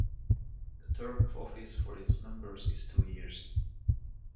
The term of office for its members is two years.